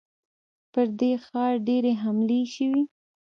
پر دې ښار ډېرې حملې شوي.